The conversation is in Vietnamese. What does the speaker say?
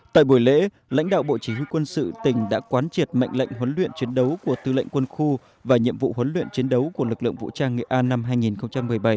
tại buổi lễ lãnh đạo bộ chỉ huy quân sự tỉnh đã quán triệt mệnh lệnh huấn luyện chiến đấu của tư lệnh quân khu và nhiệm vụ huấn luyện chiến đấu của lực lượng vũ trang nghệ an năm hai nghìn một mươi bảy